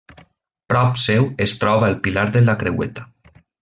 Prop seu es troba el pilar de la Creueta.